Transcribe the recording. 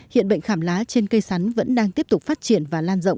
hiện bệnh khảm lá trên cây sắn vẫn đang tiếp tục phát triển và lan rộng